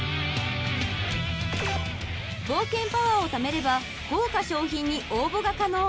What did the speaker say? ［冒険パワーをためれば豪華賞品に応募が可能］